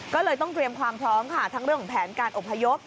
ก็เลยต้องเตรียมความพร้อมค่ะทั้งเรื่องของแผนการอบพยพ